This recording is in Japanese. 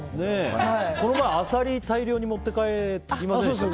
この前アサリ大量に持って帰りませんでした？